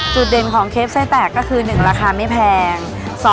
จุดเด่นของเคปไส้แตกก็คือ๑ราคาไม่แพง